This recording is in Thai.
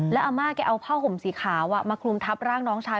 แล้วอาม่าแกเอาผ้าห่มสีขาวมาคลุมทับร่างน้องชาย